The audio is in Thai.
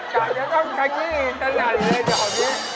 แต่จะต้องขังคิดอีกตะหน่าเลยเดี๋ยวนี้